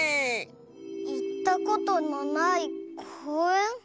いったことのないこうえん？